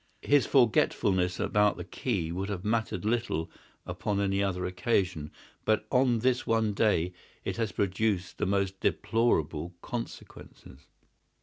His forgetfulness about the key would have mattered little upon any other occasion, but on this one day it has produced the most deplorable consequences.